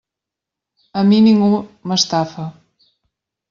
A mi ningú m'estafa.